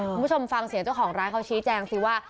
คุณผู้ชมฟังเสียงเจ้าของร้านเขาชี้แจงสิว่า